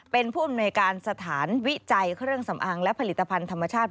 เป็นผู้อำนวยการสถานวิจัยเครื่องสำอางและผลิตภัณฑ์ธรรมชาติ